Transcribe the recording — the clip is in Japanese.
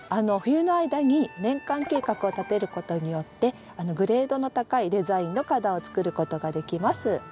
冬の間に年間計画を立てることによってグレードの高いデザインの花壇をつくることができます。